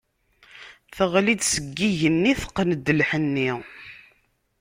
Teɣli-d seg igenni, teqqen-d lḥenni.